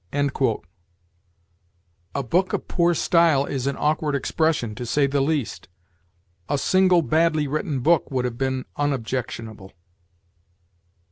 A book of poor style is an awkward expression, to say the least. A single badly written book would have been unobjectionable.